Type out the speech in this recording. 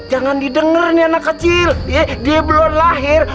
jangan didengar ini anak kecil dia belum lahir